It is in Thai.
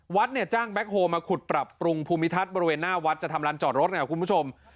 เนี่ยจ้างแก๊คโฮลมาขุดปรับปรุงภูมิทัศน์บริเวณหน้าวัดจะทำลานจอดรถไงคุณผู้ชม